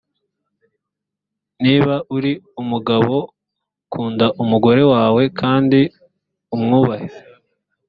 niba uri umugabo kunda umugore wawe kandi umwubahe